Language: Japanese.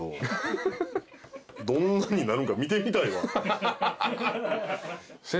どんなんになるんか見てみたいわ。